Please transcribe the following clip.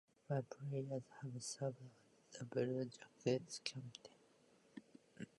Five players have served as the Blue Jackets' captain.